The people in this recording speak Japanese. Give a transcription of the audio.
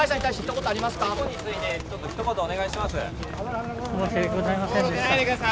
事故についてちょっとひと言お願いします。